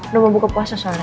lu mau buka puasa soalnya